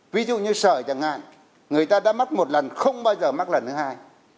ví dụ như sở chẳng hạn người ta đã mất một lần không bao giờ mắc lần thứ hai